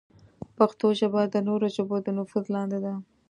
پښتو ژبه د نورو ژبو د نفوذ لاندې ده.